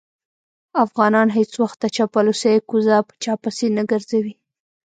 افغانان هېڅ وخت د چاپلوسۍ کوزه په چا پسې نه ګرځوي.